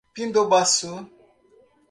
Pindobaçu